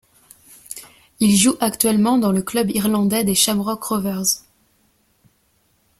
Il joue actuellement dans le club irlandais des Shamrock Rovers.